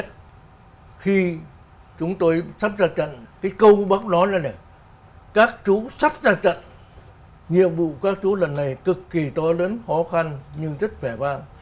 nhưng rất khỏe vang